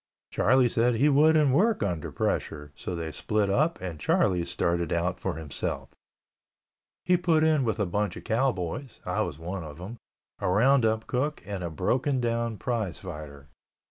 Charlie said he wouldn't work under pressure so they split up and Charlie started out for himself. He put in with a bunch of cowboys (I was one of them), a roundup cook, and a broken down prize fighter.